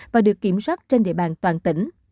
và được kiểm soát trên địa bàn toàn tỉnh